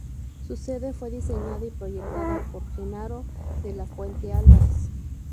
Su sede fue diseñada y proyectada por Jenaro de la Fuente Álvarez.